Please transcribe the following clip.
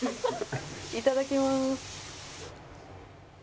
いただきます。